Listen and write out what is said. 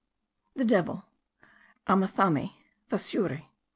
The devil : Amethami : Vasuri.